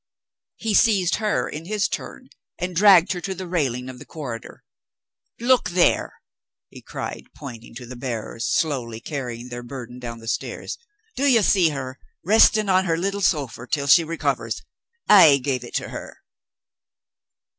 He seized her in his turn and dragged her to the railing of the corridor. "Look there!" he cried, pointing to the bearers, slowly carrying their burden down the stairs. "Do you see her, resting on her little sofa till she recovers? I gave it to her!"